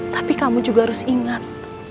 tapi kamu juga harus ingat